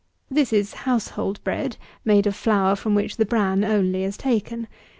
This is household bread, made of flour from which the bran only is taken.